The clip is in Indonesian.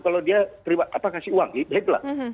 kalau dia kasih uang